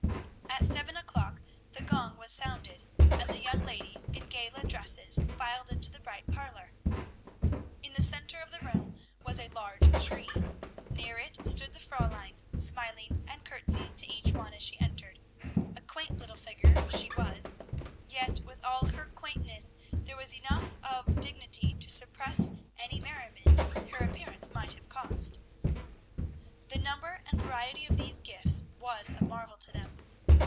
At seven o'clock the gong was sounded, and the young ladies in gala dresses filed into the bright parlor. In the centre of the room was a large tree. Near it stood the Fräulein, smiling and courtesying to each one as she entered. A quaint little figure she was; yet, with all her quaintness, there was enough of dignity to suppress any merriment her appearance might have caused. The number and variety of these gifts was a marvel to them.